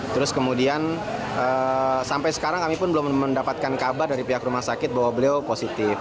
terus kemudian sampai sekarang kami pun belum mendapatkan kabar dari pihak rumah sakit bahwa beliau positif